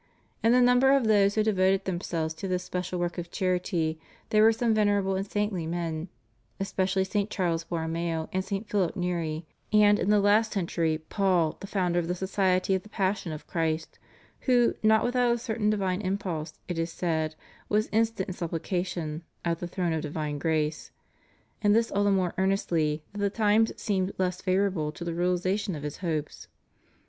In the number of those who devoted themselves to this special work of charity there were some venerable and saintly men, especially St. Charles Borromeo and St. Philip Neri, and, in the last cen tury, Paul, the founder of the Society of the Passion of Christ, who, not without a certain divine impulse, it is said, was instant in supplication "at the throne of divine grace" ; and this all the more earnestly that the times seemed less favorable to the realization of his hopes.